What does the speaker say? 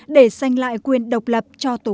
để sanh lại quyền độc lập